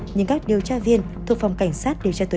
nhưng các điều tra viên thuộc phòng cứu tìm kiểu gì cũng không biết